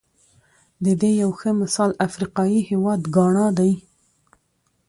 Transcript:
د دې یو ښه مثال افریقايي هېواد ګانا دی.